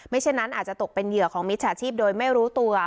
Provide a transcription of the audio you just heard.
เช่นนั้นอาจจะตกเป็นเหยื่อของมิจฉาชีพโดยไม่รู้ตัว